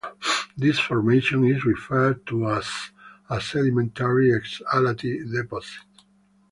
This formation is referred to as a sedimentary exhalative deposit.